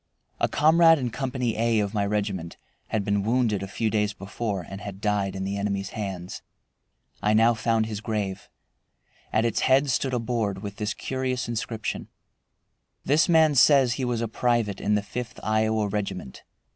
A comrade in Company A of my regiment had been wounded a few days before and had died in the enemy's hands. I now found his grave. At its head stood a board with this curious inscription: "This man says he was a private in the Fifth Iowa Regiment.